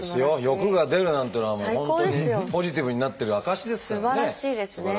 欲が出るなんていうのはもう本当にポジティブになってる証しですからね